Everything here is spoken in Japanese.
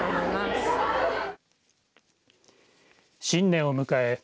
新年を迎え